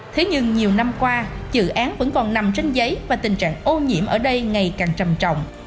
thế nhưng nhiều năm qua dự án vẫn còn nằm trên giấy và tình trạng ô nhiễm ở đây ngày càng trầm trọng